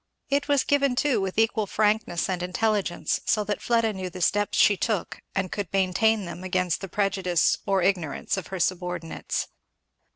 It was given too with equal frankness and intelligence, so that Fleda knew the steps she took and could maintain them against the prejudice or the ignorance of her subordinates.